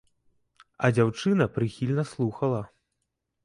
А дзяўчына прыхільна слухала.